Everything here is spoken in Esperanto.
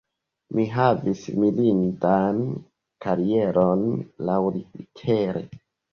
Mi havis mirindan karieron laŭlitere.